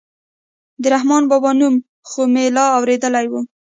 د رحمان بابا نوم خو مې لا اورېدلى و.